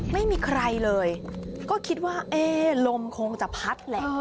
ไม่มีใครเลยก็คิดว่าเอ๊ะลมคงจะพัดแหละ